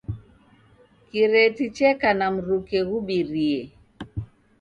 Kireti cheka na mruke ghubirie.